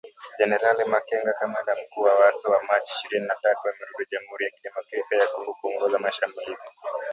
Jenerali Makenga, kamanda mkuu wa Waasi wa Machi ishirini na tatu amerudi Jamuhuri ya kidemokrasia ya Kongo kuongoza mashambulizi